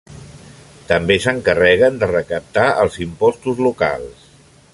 També s'encarreguen de recaptar els impostos locals.